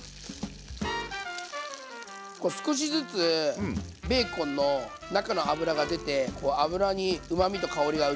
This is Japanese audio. こう少しずつベーコンの中の脂が出て油にうまみと香りが移ってきてるんで。